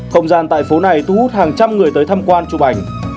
không gian tại phố này thu hút hàng trăm người tới tham quan chụp ảnh